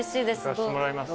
いかせてもらいます。